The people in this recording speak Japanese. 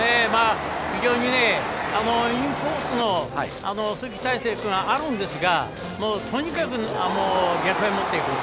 非常にインコースの球は鈴木泰成君はあるんですがとにかく、逆へ持っていく。